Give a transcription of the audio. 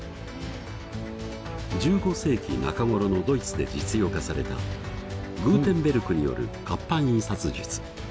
１５世紀中頃のドイツで実用化されたグーテンベルクによる活版印刷術。